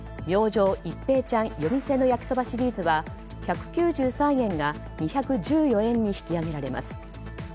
夜店の焼そばシリーズは１９３円が２１４円に引き上げられます。